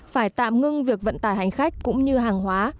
phải tạm ngưng việc vận tải hành khách cũng như hàng hóa